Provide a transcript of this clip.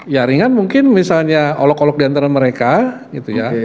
ya ringan mungkin misalnya olok olok diantara mereka gitu ya